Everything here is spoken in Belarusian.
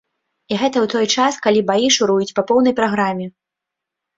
І гэта ў той час, калі баі шуруюць па поўнай праграме!